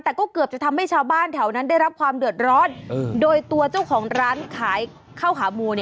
แต่ก็เกือบจะทำให้ชาวบ้านแถวนั้นได้รับความเดือดร้อนโดยตัวเจ้าของร้านขายข้าวขาหมู